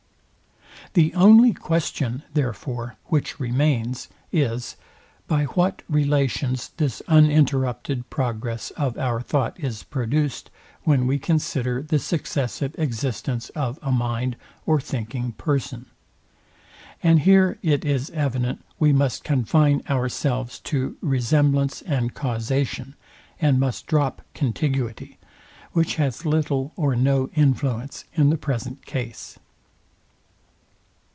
The only question, therefore, which remains, is, by what relations this uninterrupted progress of our thought is produced, when we consider the successive existence of a mind or thinking person. And here it is evident we must confine ourselves to resemblance and causation, and must drop contiguity, which has little or no influence in the present case.